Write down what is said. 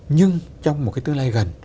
nhưng trong một cái tương lai gần